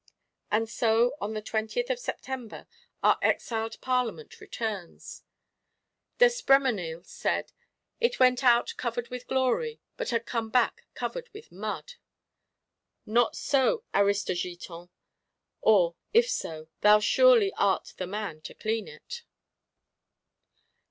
And so, on the 20th of September, our exiled Parlement returns: D'Espréménil said, "it went out covered with glory, but had come back covered with mud (de boue)." Not so, Aristogiton; or if so, thou surely art the man to clean it.